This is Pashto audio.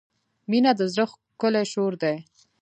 • مینه د زړۀ ښکلی شور دی.